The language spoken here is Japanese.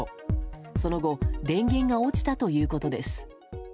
その後電源が落ちたということです。